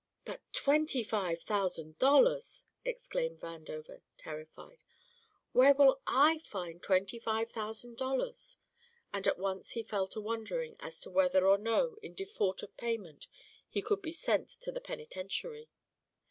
"But twenty five thousand dollars!" exclaimed Vandover, terrified. "Where will I find twenty five thousand dollars?" And at once he fell to wondering as to whether or no in default of payment he could be sent to the penitentiary.